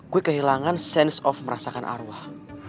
gue kehilangan sense of merasakan arwah